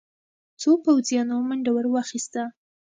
څو پوځيانو منډه ور واخيسته.